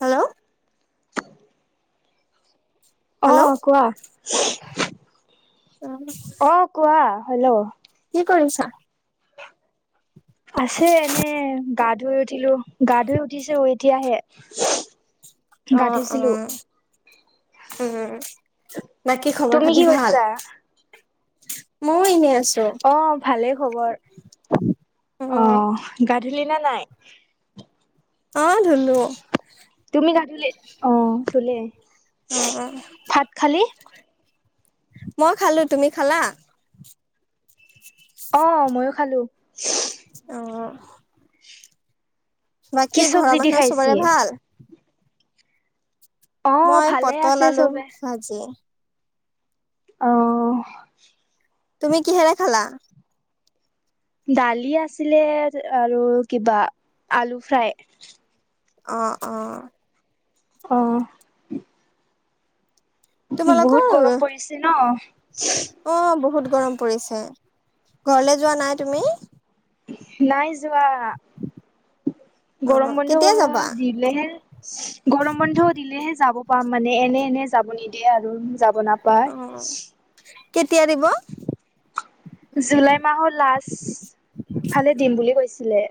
Hello hello আহ কোৱা। অ অ' কোৱা হেল্ল' কি কৰিছা? আছে এনে গা ধুই উঠিলো, গা ধুই উঠিছে এতিয়াহে। গা অ' অ' ধুইছিলো উ উম। বাকি খবৰ তুমি খাতি কি ভাল? কৰিছা ময়ো এনেই আছো। অ' ভালেই খবৰ, উম অ' গা [inaudible] নাই অ' ধুলো। তুমি গা ধুলি [unintelligible] উম উ ভাত খালি মই খালো তুমি খালা অ ময়ো খালো অ কি বাকী ঘৰৰ চব্জি দি মানুহৰ খাইছি চবৰে ভাল অ' মই ভালে পটল আছে আলু ভাজি অহ তুমি কিহেৰে খালা দালি আছিলে আৰু কিবা আলু ফ্ৰাই অ অ অ বহুত তোমালোকৰ গৰম পৰিছে ন অ বহুত গৰম পৰিছে ঘৰলে যোৱা নাই তুমি নাই যোৱা অ গৰম বন্ধ কেতিয়া যাবা? দিলেহে গৰম বন্ধ দিলেহে যাব পাম মানে এনে এনে যাব নিদিয়ে আৰু যাব নাপায় অ কেতিয়া দিব জুলাই মাহৰ লাষ্ট ফালে দিম বুলি কৈছিলে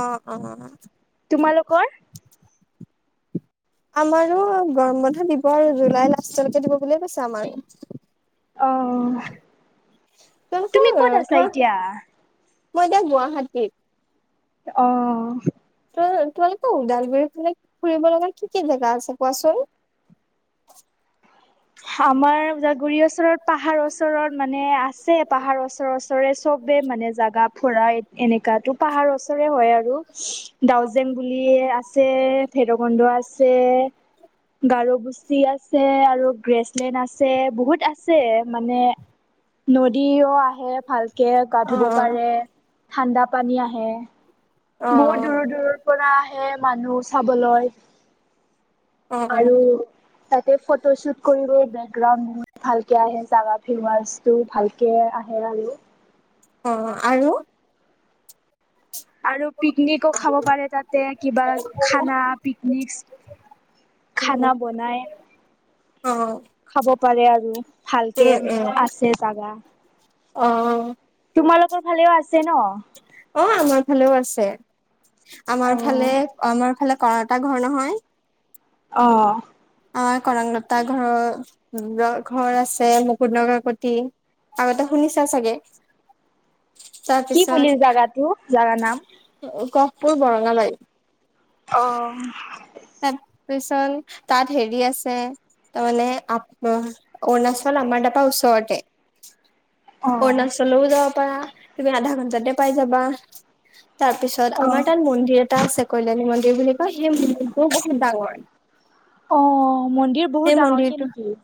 অ অ তোমালোকৰ আমাৰো গৰম বন্ধ দিবস জুলাই লাষ্টলৈকে দিব বুলিয়ে কৈছে আমাৰো অহ তোমালোকৰ তুমি ক'ত অ আছা তোমাৰ এতিয়া মই এতিয়া গুৱাহাটীত অ ত তোমালোকৰ ওদালগুৰি ফালে ফুৰিব লগা কি কি জেগা আছে কোৱাচোন, [unintelligible] আমাৰ ওদালগুৰি ওচৰত পাহাৰ ওচৰত মানে আছে পাহাৰ ওচৰ ৰে চবে মানে জাগা ফুৰা এনেকা তো পাহাৰ? হয় আৰু ডাউজেং বুলি আছে ভেৰকন্ধ আছে, গাৰ গুচি আছে আৰু গ্ৰেছলেণ্ড আছে বহুত আছে মানে নদীও- আহে ভালকে গা অ ধুব পাৰে ঠাণ্ডা পানী আহে। অ বহুত দূৰৰ দূৰৰ পৰা আহে মানুহ চাবলৈ। অ অ, আৰু তাতে ফটো চুত কৰিব বেকগ্ৰাউণ্ড ভালকে আহে জাৱা ফেলটো ভালকে। হেৰা আৰু, অ আৰু? আৰু পিকনিকো খাব পাৰে তাতে কিবা উম খানা পিকনিক। খানা বনাই অ খাব পাৰে আৰু। উম ভালকে উম আছে জাগা। অ, তোমালোকৰ ফালেও আছে ন? অ আমাৰ ফালেও আছে আমাৰ ফালে অ'। আমাৰ ফালে। কৰ এটা ঘৰ নহয় অ, আমাৰ কৰংলতা ঘৰৰ ঘৰ আছে মুকু নগৰপতি। আমাৰ ত শুনিছা চাগে? [unintelligible] কি তাৰপিছত বুলি জাগাটো জাগা নাম? পুৰ বৰঙাবাৰি। অঁ। তাৰপিচন তাত হেৰি আছে তাৰমানানে আ অৰুণাচল। ল মেপা ওচৰতে। হয়। অৰুণাচল যাব পাৰা কিন্তু তুমি আধা ঘণ্টাতে পাই যাবা। তাৰ পিছত অ', আমাৰ তাত মন্দিৰ এটা আছে কল্যাণী মন্দিৰ বুলি কয় সেই মন বাঙৰ। অঁ, মন্দিৰ বহুত ডাঙৰ কে নেকি?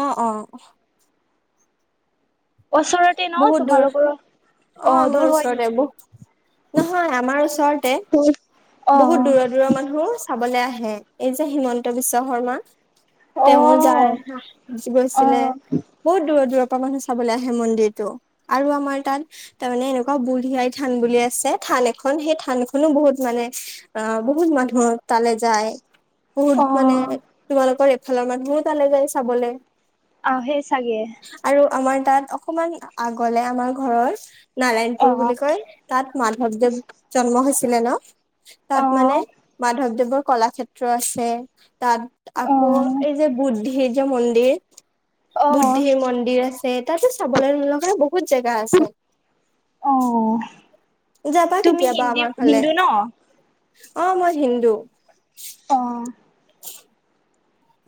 অঁ, অঁ। ওচৰতে ন তোমালোকৰ? অঁ, অ', আমাৰ দূৰ হয় ওচৰতে। নেকি? নহয় আমাৰ ওচৰতে বহুত অ', দূৰৰ দূৰৰ মানুহো চাবলৈ আহে। এই যে হিমন্ত বিশ্ব শৰ্মা তেওঁ যায় অ', গৈছিলে অ', বহুত দূৰৰ দূৰৰ পৰা মানুহ চাবলৈ আহে মন্দিৰ। ত আৰু আমাৰ তাত তাৰমানে এনেকুৱা বুঢ়ী আই থান বুলি আছে থান এখন সেই থান শুনো বহুত মানে অ বহুত মানুহ তালে যায়। বহুত মানে অ', তোমালোকৰ এফালৰ মানুহো তালৈ যায় চাবলে। আহ চাগে। আমাৰ তাত অকমান আগলে আমাৰ ঘৰৰ। নাৰায়ণপুৰ বুলি অ', কয় তাত মাধৱদেৱ জন্ম হৈছিলে ন? তাত মানে অ', মাধৱদেৱৰ কলাক্ষেত্ৰ আছে। তাত আকৌ অ', এই যে বুদ্ধিৰ যে মন্দিৰ অ', বুদ্ধিৰ মন্দিৰ আছে। [unintelligible] কত জাগা আছে? অ', যাবা তুমি কেতিয়াবা হিন্দী আমাৰ ফালে হিন্দু ন? অ মই হিন্দু? অঁ।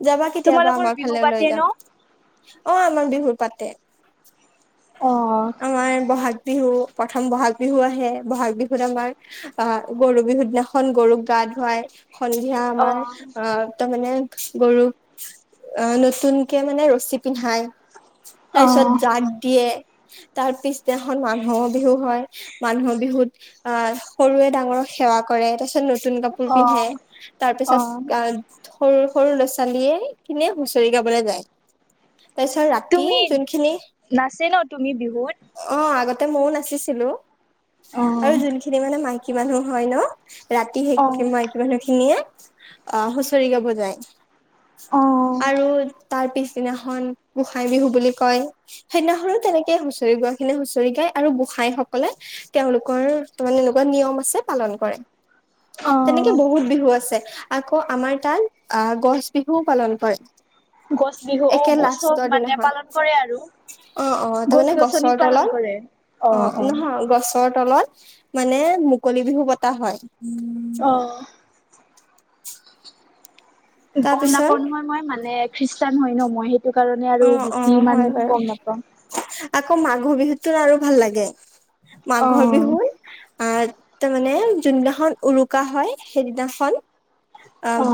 যাবা কেতিয়াবা তোমালোকৰ আমাৰ বিহু ফালে লৈ পাতে ন? যাম। অ আমাৰ বিহু পাতে অ', আমাৰ বহাগ বিহু। প্ৰথম বহাগ বিহু আহে বহাগ বিহুত আমাৰ আহ গৰু বিহু দিনাখন গৰুক গা ধুৱায়। সন্ধিয়া আমাৰ অ তাৰমানে গৰুক অ। [unintelligible] নতুনকে মানে ৰছী পিন্ধায় তাৰ পিছত অ', জাগ দিয়ে। তাৰ পিছদিনাখন মানুহৰ বিহু হয় মানুহৰ বিহুত আহ সৰুৱে ডাঙৰ ক। সেৱা কৰে তাৰ পিছত নতুন কাপোৰ পিন্ধে তাৰ অ', পিছত অ', আহ সৰু [unintelligible] সৰু ল ছোৱালীয়ে কিনে হুঁচৰি গাবলৈ যায়। তাৰিছত ৰাতি তুমি যোনখিনি নাচে ন তুমি বিহুত? অ আগ [unintelligible] [unintelligible] মইও নাচিছিলো অ আৰু যোনখিনি মানে মাইকী মানুহ হয় ন। ৰাতি অ [unintelligible] মাইকী মানুহ খিনিয়ে অ হুঁচৰি গাব যায়। অ আৰু তাৰ পিছ। [unintelligible] দিনাখন গোসাই বিহু বুলি কয় সেইদিনাখনো তেনেকে হুঁচৰি গোৱা খিনিয়ে হুঁচৰি গায় আৰু গোস [unintelligible] ভাই সকলে তেওঁলোকৰ [unintelligible] এনেকুৱা নিয়ম আছে পালন কৰে। তেনেকে অ'। বহুত বিহু আছে আকৌ আমাৰ তাত আহ গছ বিহুও পালন কৰে। গছ বিহু অ একে গছব লাষ্টৰ মানে দিনাখন পালন কৰে আৰু। অ', অ', গছ তাৰমানে গছনিক গছৰ পালন তলত কৰে। অ', নহয় গছৰ তলত। মানে মুকলি বিহু পতা হয়। অ'। গম তাৰপিছত নাপাওঁ নহয় মই মানে খ্ৰীষ্টান হয় ন' মই সেই টোৰ কাৰণে অ আৰু অ বেছি ইমান হয় বাৰু গম নাপাওঁ। আকৌ মাঘৰ বিহুতটো আৰু ভাল লাগে অ মাঘৰ বিহুত আ তাৰ মানে যোনদিনাখন উৰুকা হয়, সেইদিনাখন অ',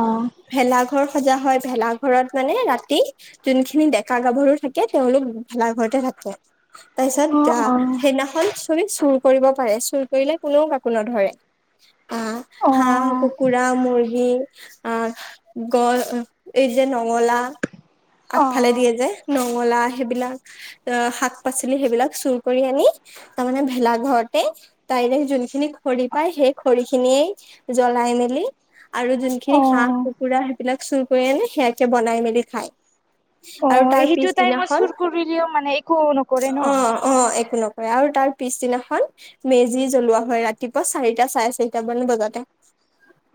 ভেলা ঘৰ সজা হয় ভেলাঘৰত মানে ৰাতি যোনখি খিনি ডেকা গাভৰু থাকে তেওঁলোক ভেলা ঘৰতে থাকে তাৰ পিছত অ তা সেইদিনাখন [unintelligible] চুৰ কৰিব পাৰে, চুৰ কৰিলে কোনেও কাকো নধৰে। অহ, অ অ হাঁহ, কুকৰা, মুৰ্গী। আ, গ এই যে নঙলা। অ আগফালে দিয়ে যে নঙলা। সেবিলাক অ', শাক-পাচলি সেবিলাক চুৰ কৰি আনি তাৰমানে ভেলা ঘৰতে [unintelligible] যোনখিনি খৰি পায় সেই খৰিখিনিয়েই জ্বলাই মেলি আৰু যোনখিনি হাঁহ, অ', কুকুৰা সেইবিলাক চুৰ কৰি আনি সেয়াকে বনাই মেলি খায়। আৰু অ', তাৰ সেইটো টাইমত পিছদিনাখন চুৰ কৰিলেও মানে একো নকৰে ন? অ', অ', একো নক কৰে আৰু তাৰ পিছদিনাখন মেজি জ্বলোৱা হয় ৰাতিপুৱা চাৰিটা, চাৰে চাৰিটা মান বজাতে।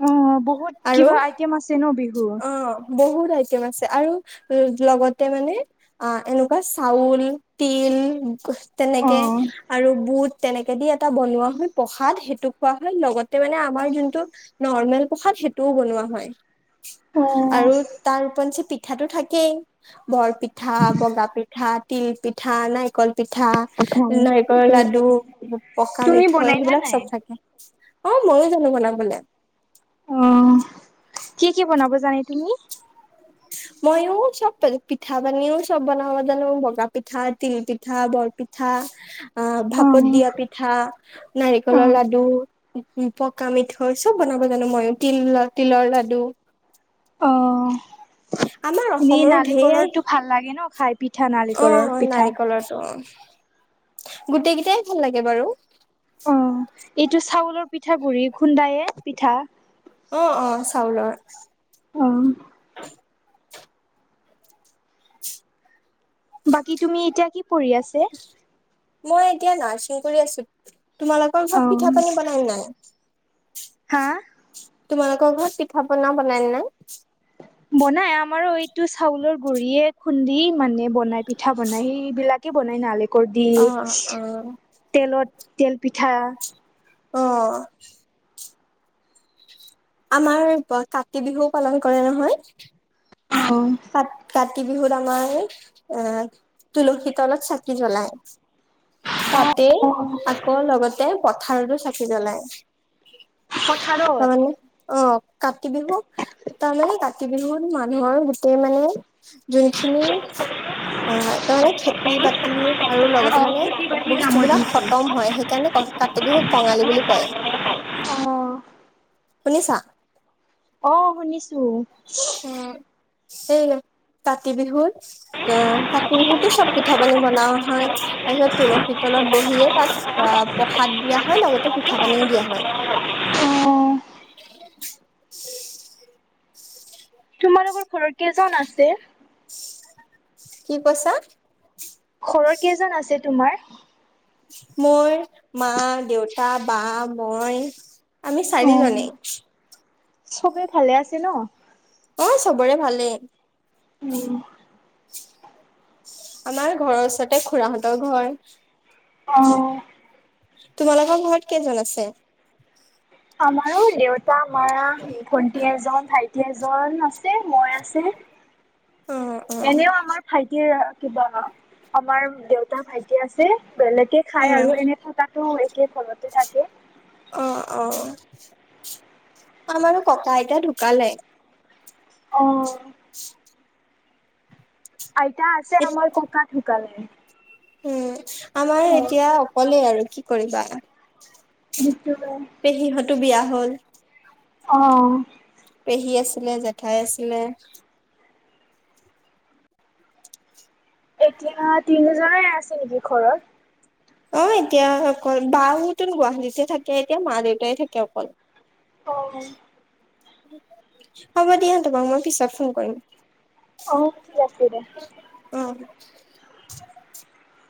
অ বহুত আৰু কিবা আইটেম আছে ন বিহুৰ। অ', বহুত [unintelligible] আছে আৰু ল লগতে মানে অ', এনেকুৱা চাউল, তিল তেনেকে অ আৰু বুট তেনেকে দি এটা বনোৱা হয়, প্ৰসাদ সেইটো খোৱা হয় লগতে মানে আমাৰ যোনটো নৰ্মেল প্ৰসাদ সেইটোও বনোৱা [unintelligible] আৰু তাৰ ওপৰঞ্চি পিঠাটো থাকেই বৰপিঠা বগা পিঠা তিল পিঠা নাৰিকল [unintelligible] পিঠা নাৰিকলৰ লাডু পকা তুমি মিঠৈ বনাইলা সেইবিলাক নাই? চব থাকে অ ময়ো জানো বনাবোলে অ কি কি বনাব জানে তুমি [unintelligible] ময়ো সব পিঠা পানিও সব বনাব জানো ভগা পিঠা তিল পিঠা বৰ পিঠা অ অ ভাপত অ', দিয়া পিঠা নাৰিকলৰ অ', লাডু পকা মিঠা হয় চব বনাব জানো ময়ো তিল তিলৰ লাডু অ', আমাৰ এনেই অসমৰো ঢেৰাই নাৰিকলৰটো ভাল লাগে ন খাই পিঠা অ নাৰিকলৰ পিঠা। নাৰিকলৰো অ গোটেই কেইটাই ভাল লাগে বাৰু অ এইটো চাউলৰ পিঠাাগু় খুন্দায়ে পিঠা অ অ চাওল আহ [unintelligible] বাকী তুমি এতিয়া কি পঢ় আছে মই এতিয়া নাৰ্চিং কৰি আছো তোমালোকৰ ঘৰত পিঠা অ', পানী বনাম নাই হা তোমালোকৰ ঘৰত পিঠা পনা বনাই ন না বনাই আমাৰ এইটো চাউলৰ গুৰিয়ে খুন্দি মানে বনাই পিঠা বনাই সেইবিলাকে বনাই নালে দি অ অ তেলত তেল পিঠা অ আমাৰ কাতি বিহুও পালন কৰে নহয় আহ তাত কাতি বিহুত আমাৰ এ তুলসী তলত চাকি জ্বলায় তাতে আকৌ লগতে পথাৰতো চাকি জ্বলায় পথাৰত অ কাতি বিহু তাৰমানানে কাতি বিহুত মানুহৰ গোটেই মানে যোনখিনি অ তাৰ মানে খেতি বাতি আৰু লগতে মানে অ', বস্তু বিলাক খতম হয় সেইকাৰণে ক কাতি বিহুক কঙালী বুলি কয় আহ শুনিছা অ শুনিছো উম এই কাতি বিহুত অ কাতি বিহুতো চব পিঠা পানী বনোৱা হয় তাৰ পিছত তুলসীিত তলত বহিয়ে তাত অ প্ৰসাদ দিয়া হয় লগতে পিঠা পানীও দিয়া হয় উম [unintelligible] [unintelligible] তোমালোকৰ ঘৰৰত কেইজন আছে কি কৈছা ঘৰৰ কেইজন আছে তোমাৰ মোৰ মা দেউতা বা মই আমি অ'। চাৰি জনাই চবে ভালে আছে ন অ চবৰে ভালেই উম আমাৰ ঘৰৰ ওচৰতে খুৰাহঁতৰ ঘৰ অ', তোমালোকৰ ঘৰত কেইজন আছে? আমাৰো দেউতা মাৰ ভন্টি এজন ভাইটি এজন আছে। যে মই আছে। অ অ এনেও আমাৰ ভাইটিৰ কিবা আমাৰ দেউতা ভাইটি আছে। বেলেগে খাই উম আৰু এনে থকাতটো একে ঘৰতে থাকে। অ - অ, আমাৰো ককা আইতা ঢুকালে। অ', [inaudible] আইতা আছে আমাৰ ককা ঢুকালে। উম, আমাৰ অ', এতিয়া অকলে আৰু কি কৰিবা। মৃত্যু হ'ল। পেহীহতো বিয়া হ'ল। অ', পেহী আছিলে, জেঠাই আছিলে। এতিয়া তিনিজনে আছে নেকি ঘৰত? অ, এতিয়া অকল বাউ টো গুৱাহাটীতে থাকে এতিয়া মা-দেউতাই থাকে অকলে। অ', হ'ব দিয়া তোমাক মই পিছত ফোন কৰিম। অ, ঠিক আছে দিয়া। [inaudible]